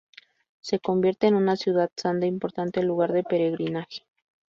Se convierte en una ciudad santa, importante lugar de peregrinaje.